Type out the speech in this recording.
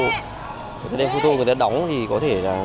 người ta đem khu tô người ta đóng thì có thể là